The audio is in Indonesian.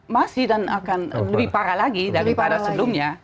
masih dan akan lebih parah lagi daripada sebelumnya